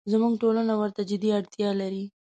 زموږ ټولنه ورته جدي اړتیا لري.